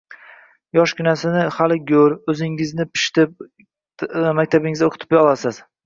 Yoshginasi hali g`o`r, o`zingiz pishitib, maktabingizda o`qitib olasiz